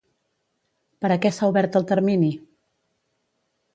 Per a què s'ha obert el termini?